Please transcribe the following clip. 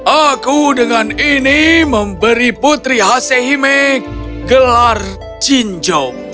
aku dengan ini memberi putri hasehime gelar chinjo